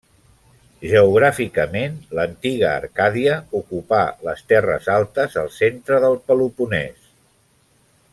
Geogràficament, l'antiga Arcàdia ocupà les terres altes al centre del Peloponés.